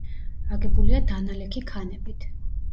აგებულია დანალექი ქანებით.